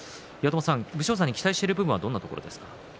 武将山に期待してるのはどんなところですか。